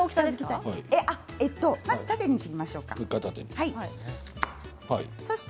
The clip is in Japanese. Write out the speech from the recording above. まず縦に切りましょうか。